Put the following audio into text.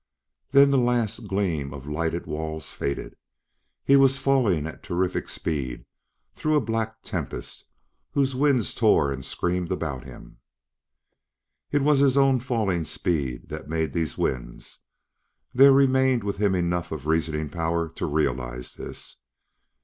Then the last gleam of lighted walls faded; he was falling at terrific speed through a black tempest whose winds tore and screamed about him. It was his own falling speed that made these winds; there remained with him enough of reasoning power to realize this.